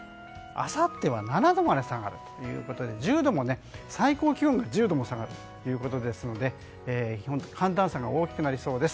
明日、前橋１７度予想なんですがあさってはあさっては７度まで下がるということで最高気温が１０度も下がるということですので寒暖差が大きくなりそうです。